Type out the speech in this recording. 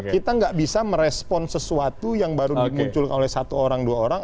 kita nggak bisa merespon sesuatu yang baru dimunculkan oleh satu orang dua orang